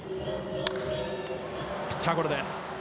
ピッチャーゴロです。